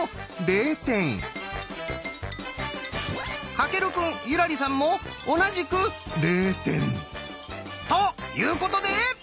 翔くん優良梨さんも同じく０点。ということで！